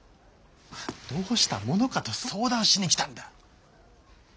どうしたものかと相談しに来たんだ。